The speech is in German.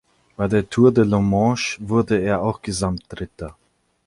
Bei der Tour de la Manche wurde er auch Gesamtdritter.